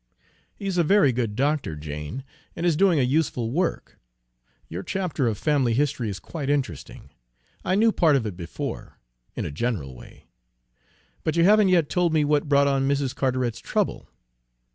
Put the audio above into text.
"He's a very good doctor, Jane, and is doing a useful work. Your chapter of family history is quite interesting, I knew part of it before, in a general way; but you haven't yet told me what brought on Mrs. Carteret's trouble."